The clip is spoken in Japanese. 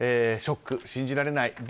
ショック、信じられない。